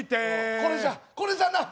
これじゃ、これじゃな。